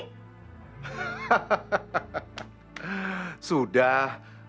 nggak usah diceritakan